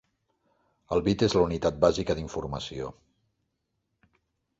El bit és la unitat bàsica d'informació.